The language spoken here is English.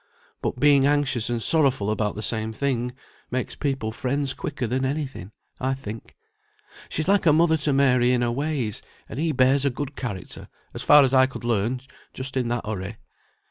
But being anxious and sorrowful about the same thing makes people friends quicker than any thing, I think. She's like a mother to Mary in her ways; and he bears a good character, as far as I could learn just in that hurry.